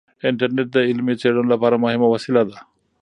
انټرنیټ د علمي څیړنو لپاره مهمه وسیله ده.